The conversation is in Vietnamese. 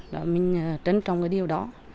đó mình trân trọng cái điều đó